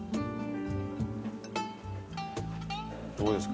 どうですか？